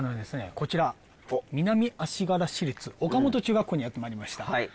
こちら南足柄市立岡本中学校にやってまいりました